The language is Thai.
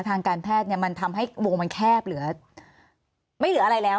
ทางการแพทย์เนี่ยมันทำให้วงมันแคบหรือไม่เหลืออะไรแล้ว